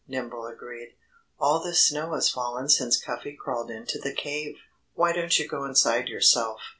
Nimble agreed. "All this snow has fallen since Cuffy crawled into the cave." "Why don't you go inside yourself?"